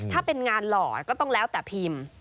ถ้าเป็นงานหล่อก็ต้องแล้วแต่พิมพ์